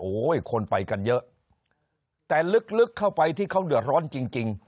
โอ้โหคนไปกันเยอะแต่ลึกเข้าไปที่เขาเดือดร้อนจริงจริง